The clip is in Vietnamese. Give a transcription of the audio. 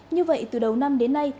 như vậy từ đầu năm đến nay